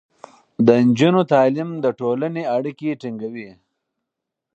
د نجونو تعليم د ټولنې اړيکې ټينګې کوي.